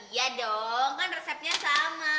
ya dong kan resepnya sama